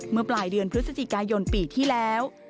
เมื่อปลายเดือนพฤศจิกายนปีที่แล้ว